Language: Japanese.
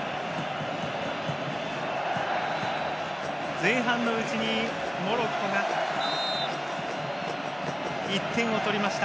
前半のうちにモロッコが１点を取りました。